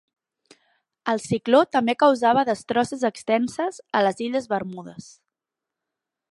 El cicló també causava destrosses extenses a les Illes Bermudes.